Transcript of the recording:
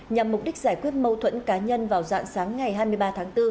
nhằm mục đích giải quyết mâu thuẫn cá nhân vào dạng sáng ngày hai mươi ba tháng bốn